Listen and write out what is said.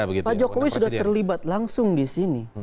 pak jokowi sudah terlibat langsung di sini